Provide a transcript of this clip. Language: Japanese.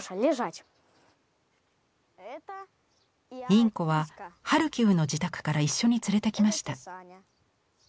インコはハルキウの自宅から一緒に連れてきました。